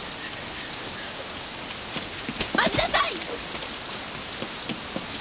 待ちなさい！